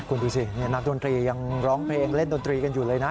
คุณดูสินักดนตรียังร้องเพลงเล่นดนตรีกันอยู่เลยนะ